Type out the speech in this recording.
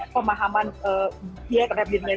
pemahaman dia terhadap dirinya